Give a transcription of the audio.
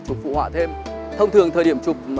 chụp phụ họa thêm thông thường thời điểm chụp